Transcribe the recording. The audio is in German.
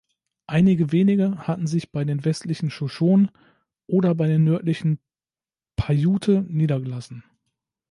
Einige wenige hatten sich bei den Westlichen Shoshone oder bei den Nördlichen Paiute niedergelassen.